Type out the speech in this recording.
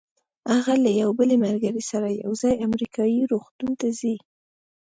هغه له یوې بلې ملګرې سره یو ځای امریکایي روغتون ته ځي.